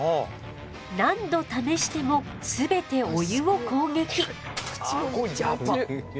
何度試してもすべてお湯を攻撃。